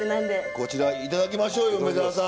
こちら頂きましょうよ梅沢さん！